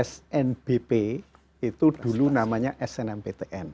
snbp itu dulu namanya snmptn